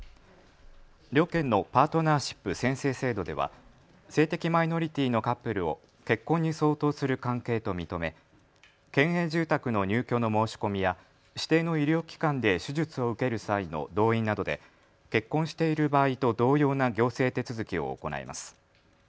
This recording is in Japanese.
両県のパートナーシップ宣誓制度では、性的マイノリティーのカップルを結婚に相当する関係と認め県営住宅の入居の申し込みや指定の医療機関で手術を受ける際の同意などで結婚している場合と同様な行政手続きを行えます。